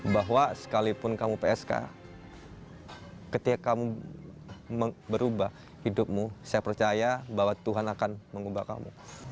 bahwa sekalipun kamu psk ketika kamu berubah hidupmu saya percaya bahwa tuhan akan mengubah kamu